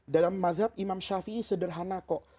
dalam madhab imam syafie sederhana kok